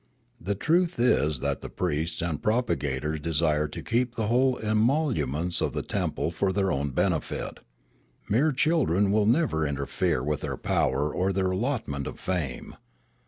The truth is that the priests and propagators de sire to keep the whole emoluments of the temple for their own benefit. Mere children will never interfere with their power or their allotment of fame.